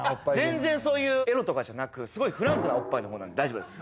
全然そういうエロとかじゃなくすごいフランクなおっぱいの方なんで大丈夫です